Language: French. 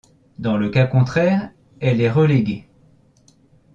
Dans le cas contraire, elle est reléguée.